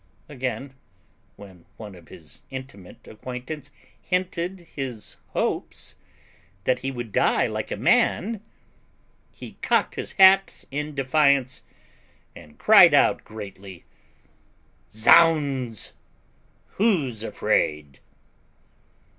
Again, when one of his intimate acquaintance hinted his hopes, that he would die like a man, he cocked his hat in defiance, and cried out greatly "Zounds! who's afraid?"